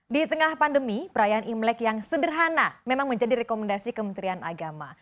di tengah pandemi perayaan imlek yang sederhana memang menjadi rekomendasi kementerian agama